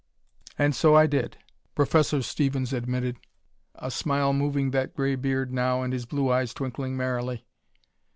"And so I did." Professor Stevens admitted, a smile moving that gray beard now and his blue eyes twinkling merrily.